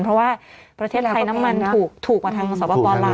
เพราะว่าประเทศไทยน้ำมันถูกกว่าทางสปลาว